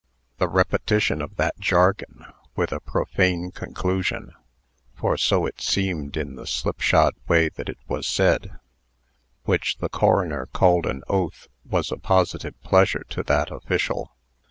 The repetition of that jargon with a profane conclusion (for so it seemed, in the slipshod way that it was said), which the coroner called an oath, was a positive pleasure to that official.